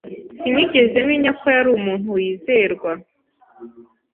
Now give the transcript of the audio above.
Sinigeze menya ko yari umuntu wizerwa.